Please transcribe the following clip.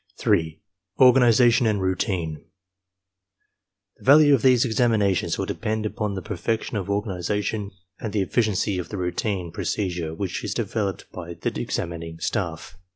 3. ORGANIZATION AND ROUTINE The value of these examinations will depend upon the per fection of organization and the efficiency of the routine pro cedure which is developed by the examining staff.